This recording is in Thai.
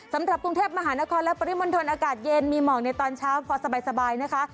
สำหรับกรุงเทพมหานครและปริมณฑลอากาศเย็นมีหมอกในตอนเช้าพอสบายนะคะ